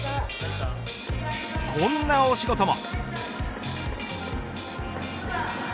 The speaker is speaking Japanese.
こんなお仕事も。